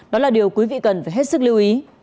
đó là điều quý vị cần phải hết sức lưu ý